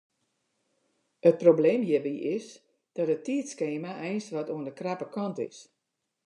It probleem hjirby is dat it tiidskema eins wat oan de krappe kant is.